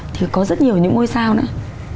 thì có rất nhiều những ngôi sao nữa